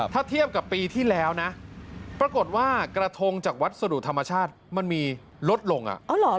ถ้าเทียบกับปีที่แล้วนะปรากฏว่ากระทงจากวัสดุธรรมชาติมันมีลดลงอ่ะ